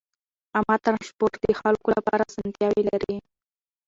عامه ترانسپورت د خلکو لپاره اسانتیاوې لري.